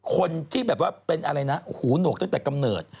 คนที่แบบว่าเป็นอะไรนะหูหนวกตั้งแต่กำเนิด